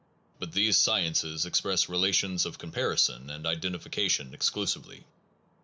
1 But these sciences express relations of comparison and identification ex clusively.